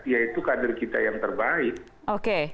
ya itu kader kita yang terbaik